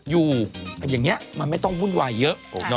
อยู่อย่างนี้มันไม่ต้องวุ่นวายเยอะ